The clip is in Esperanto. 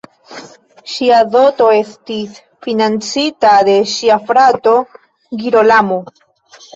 Ŝia doto estis financita de ŝia frato Girolamo.